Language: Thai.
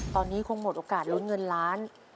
ตอนนี้คงหมดโอกาสลุ้นเงินล้าน